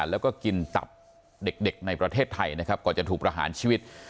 แล้วก็กินตับเด็กในประเทศไทยนะครับก่อนจะถูกประหารชีวิต